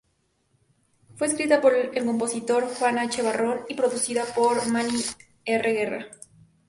Fue escrita por el compositor Juan H. Barrón y producida por Manny R. Guerra.